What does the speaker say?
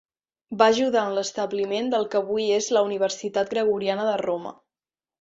Va ajudar en l'establiment del que avui és la Universitat Gregoriana de Roma.